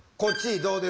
そうです。